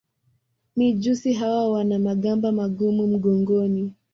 Mijusi hawa wana magamba magumu mgongoni.